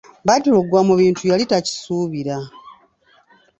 Badru okugwa mu bintu yali takisuubira.